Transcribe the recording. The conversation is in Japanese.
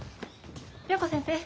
良子先生